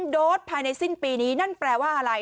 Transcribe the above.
โดสภายในสิ้นปีนี้นั่นแปลว่าอะไร